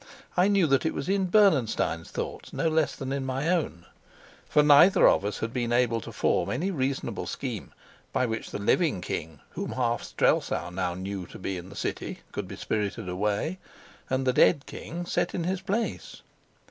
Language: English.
I knew that it was in Bernenstein's thoughts no less than in my own; for neither of us had been able to form any reasonable scheme by which the living king, whom half Strelsau now knew to be in the city, could be spirited away, and the dead king set in his place.